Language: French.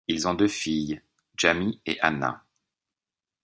Ils ont deux filles, Jamie et Anna.